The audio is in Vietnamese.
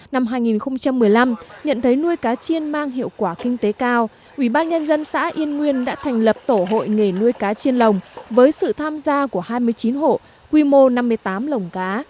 năm hai nghìn một mươi năm nhận thấy nuôi cá chiên mang hiệu quả kinh tế cao ubnd xã yên nguyên đã thành lập tổ hội nghề nuôi cá chiên lồng với sự tham gia của hai mươi chín hộ quy mô năm mươi tám lồng cá